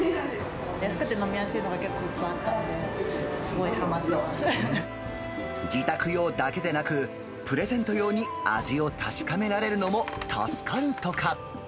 安くて飲みやすいのが結構いっぱいあったので、すごいはまってま自宅用だけでなく、プレゼント用に味を確かめられるのも助かるとか。